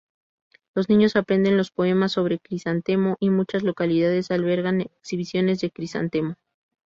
Los niños aprenden los poemas sobre crisantemo y muchas localidades albergan exhibiciones de crisantemo.